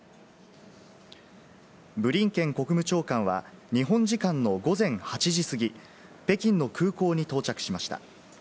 ブリンケン国務長官は日本時間の午前８時過ぎ、北京の空港に到着しました。